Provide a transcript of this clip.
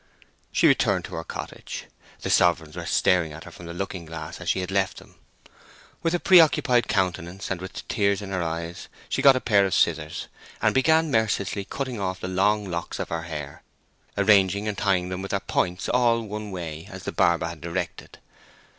She returned to her cottage. The sovereigns were staring at her from the looking glass as she had left them. With a preoccupied countenance, and with tears in her eyes, she got a pair of scissors, and began mercilessly cutting off the long locks of her hair, arranging and tying them with their points all one way, as the barber had directed.